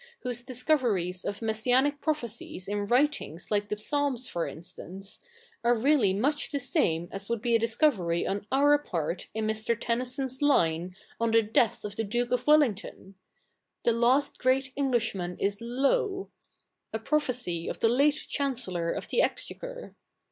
i] THE NEW REPUBLIC 79 whose discoveries of Messianic prophecies in writings like the Psab7is for instance^ are really much the same as would be a discovery on our part in Air. Ten7iyso?i's line on the death of the Duke of Wellingto?i, " The last great Efiglishfnan is low,"' a prophecy of the late Chancellor of the Exchequer.